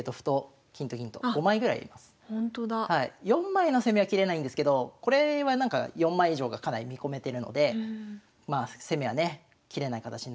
４枚の攻めは切れないんですけどこれはなんか４枚以上がかなり見込めてるので攻めはね切れない形になってますよね。